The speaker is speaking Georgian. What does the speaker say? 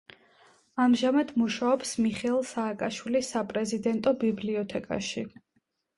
ამჟამად მუშაობს მიხეილ სააკაშვილის საპრეზიდენტო ბიბლიოთეკაში.